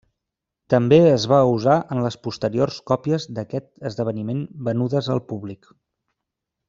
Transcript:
També es va usar en les posteriors còpies d'aquest esdeveniment venudes al públic.